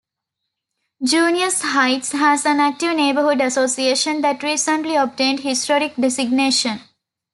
Junius Heights has an active neighborhood association that recently obtained historic designation.